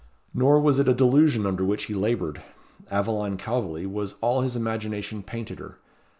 Nor was it a delusion under which he laboured. Aveline Calveley was all his imagination painted her.